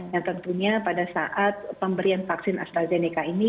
yang tentunya pada saat pemberian vaksin astrazeneca ini